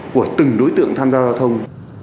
của từng đối tượng tham gia giao thông